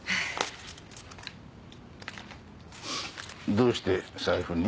どうして財布に？